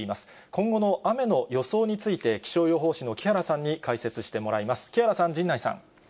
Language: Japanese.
今後の雨の予想について、気象予報士の木原さんに解説してもらいます。